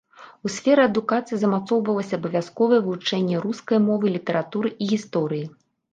У сферы адукацыі замацоўвалася абавязковае вывучэнне рускай мовы, літаратуры і гісторыі.